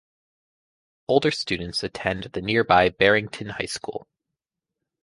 Older students attend the nearby Barrington High School.